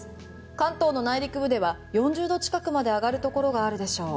関東の内陸部では４０度近くまで上がるところがあるでしょう。